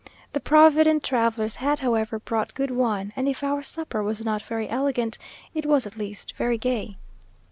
The provident travellers had, however, brought good wine; and if our supper was not very elegant, it was at least very gay.